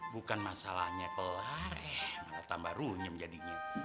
bukan masalahnya kelar eh mana tambah runyam jadinya